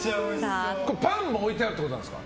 パンも置いてあるってことですか。